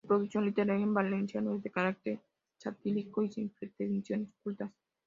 Su producción literaria en valenciano es de carácter satírico y sin pretensiones cultas.